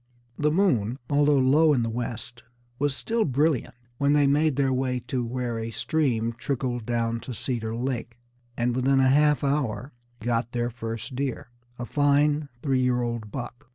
The moon, although low in the west, was still brilliant when they made their way to where a stream trickled down to Cedar Lake, and within a half hour got their first deer, a fine three year old buck.